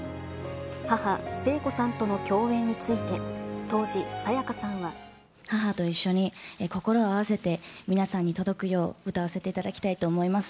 母、聖子さんとの共演について、当時、沙也加さんは。母と一緒に心を合わせて、皆さんに届くよう歌わせていただきたいと思います。